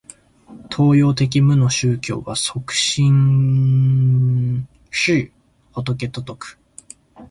東洋的無の宗教は即心是仏と説く。